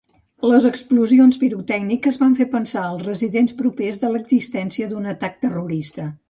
Les explosions pirotècniques van fer pensar als residents propers de l'existència d'un atac terrorista.